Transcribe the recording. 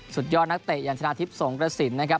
สุดยอดนักเตะยันทนาทิพย์สงฆ์กระสินนะครับ